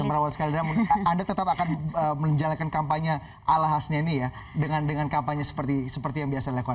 merawat sekali dan anda tetap akan menjalankan kampanye ala khasnya ini ya dengan kampanye seperti yang biasa dilakukan